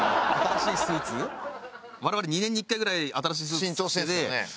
我々２年に１回ぐらい新しいスーツ作ってて。